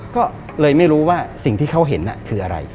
ก็เลยไม่รู้ว่าสิ่งที่เขาเห็นคืออะไร